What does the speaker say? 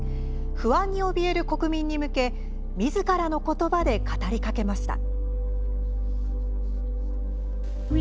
不安におびえる国民に向けみずからのことばで語りかけました。